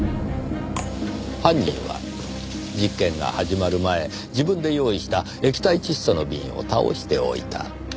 犯人は実験が始まる前自分で用意した液体窒素の瓶を倒しておいた。